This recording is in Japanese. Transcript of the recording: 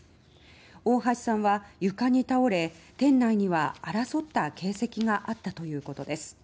大橋さんは床に倒れ店内には争った形跡があったということです。